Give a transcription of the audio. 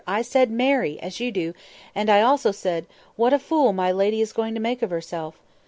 "I said marry! as you do; and I also said, 'What a fool my lady is going to make of herself!